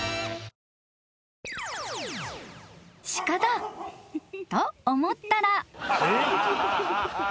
［鹿だと思ったら］